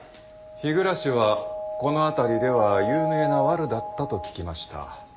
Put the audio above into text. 日暮はこの辺りでは有名なワルだったと聞きました。